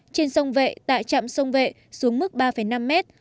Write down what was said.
trên sông vệ tại trạm sông vệ xuống mức ba năm mét